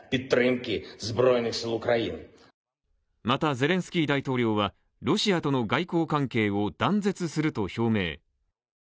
また、ゼレンスキー大統領はロシアとの外交関係を断絶すると表明。